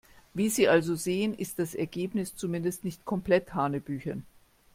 Wie Sie also sehen, ist das Ergebnis zumindest nicht komplett hanebüchen.